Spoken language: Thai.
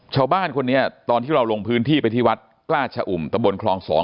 ชาวบ้านคนนี้ตอนที่เราลงพื้นที่ไปที่วัดกล้าชะอุ่มตะบนคลอง๒